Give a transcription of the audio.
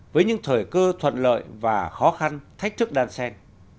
với những thời cơ thuận lợi và khó khăn thách thức đan sen